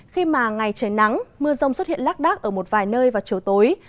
khi mà ngày trời nắng mưa rông xuất hiện lác đác ở một vài nơi vào chiều tối